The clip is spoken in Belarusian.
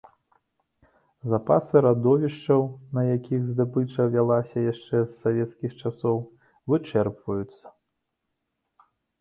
Запасы радовішчаў, на якіх здабыча вялася яшчэ з савецкіх часоў, вычэрпваюцца.